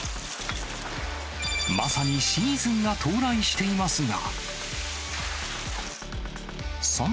まさにシーズンが到来していますが。